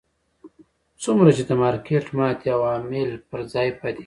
څومره چې د مارکېټ ماتې عوامل پر ځای پاتې کېږي.